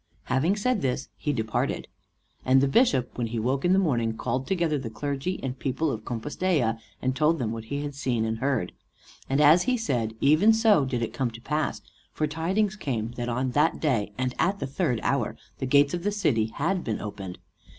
Having said this, he departed. And the bishop, when he woke in the morning, called together the clergy and people of Compostella, and told them what he had seen and heard. And as he said, even so did it come to pass; for tidings came, that on that day, and at the third hour, the gates of the city had been opened.